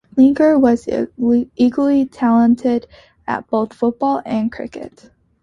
Lineker was equally talented at both football and cricket.